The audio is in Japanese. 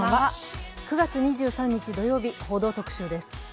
９月２３日土曜日、「報道特集」です。